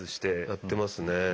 やってますね。